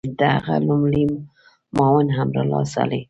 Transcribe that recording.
د هغه لومړی معاون امرالله صالح